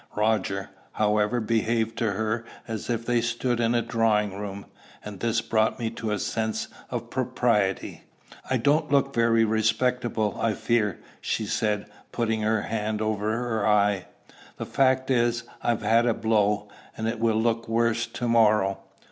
Roger, however, behaved to her as if they stood in a drawing room, and this brought me to a sense of propriety. "I don't look very respectable, I fear," she said, putting her hand over her eye. "The fact is, I have had a blow, and it will look worse to morrow.